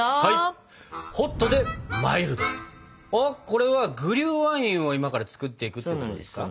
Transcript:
これはグリューワインを今から作っていくってことですか？